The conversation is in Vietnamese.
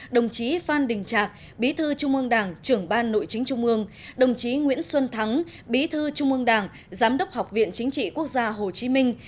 đồng chí phan đình trạc bí thư trung ương đảng trưởng ban nội chính trung ương đồng chí nguyễn xuân thắng bí thư trung ương đảng giám đốc học viện chính trị quốc gia hồ chí minh